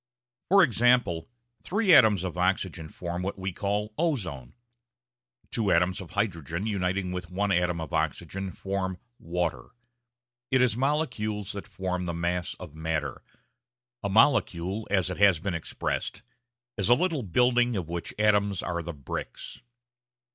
For example, three atoms of oxygen form what we call ozone; two atoms of hydrogen uniting with one atom of oxygen form water. It is molecules that form the mass of matter; a molecule, as it has been expressed, is a little building of which atoms are the bricks.